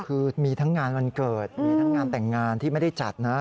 คือมีทั้งงานวันเกิดมีทั้งงานแต่งงานที่ไม่ได้จัดนะ